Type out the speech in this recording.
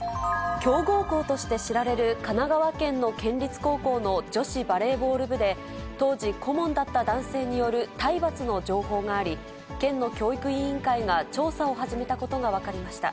強豪校として知られる神奈川県の県立高校の女子バレーボール部で、当時、顧問だった男性による体罰の情報があり、県の教育委員会が調査を始めたことが分かりました。